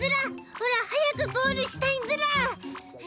オラ早くゴールしたいズラ。